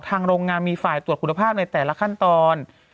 โรงงานมีฝ่ายตรวจคุณภาพในแต่ละขั้นตอน